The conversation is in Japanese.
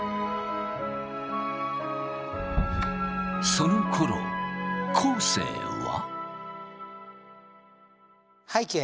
そのころ昴生は。